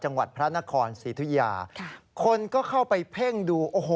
จังหวัดพระนครศรีธุยาคนก็เข้าไปเพ่งดูโอ้โห